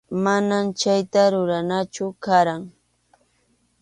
Manam chayta ruranaychu karqan.